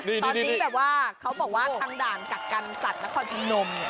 ตอนนี้แต่ว่าเขาบอกว่าทางด่านกากกรรศักดิ์และคลอนที่นม